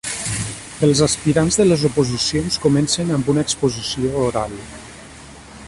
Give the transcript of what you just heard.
Els aspirants de les oposicions comencen amb una exposició oral.